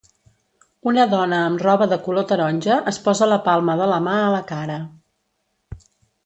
Una dona amb roba de color taronja es posa la palma de la mà a la cara.